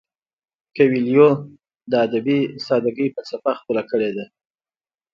کویلیو د ادبي ساده ګۍ فلسفه خپله کړې ده.